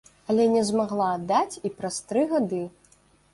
Але не змагла аддаць і праз тры гады.